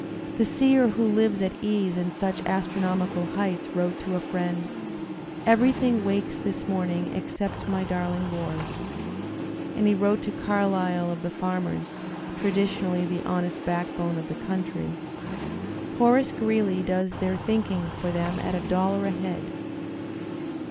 The seer who Kves at ease in such astronomical heights wrote to a friend: "Everything wakes this morning except my darling boy." And he wrote to Carlyle of the farmers, traditionally the honest backbone of the country: "Horace Greeley does their thinking for them at a dollar a head."